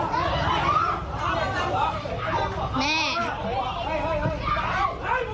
เดินไปล่ะ